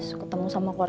saya masih masih